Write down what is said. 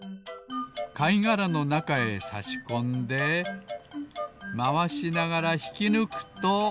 かいがらのなかへさしこんでまわしながらひきぬくと。